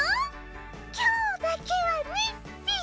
きょうだけはねっピィ。